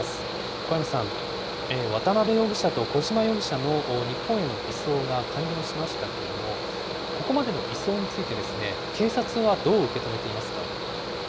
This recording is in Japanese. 小山さん、渡邉容疑者と小島容疑者の日本への移送が完了しましたけれども、ここまでの移送について、警察はどう受け止めていますか。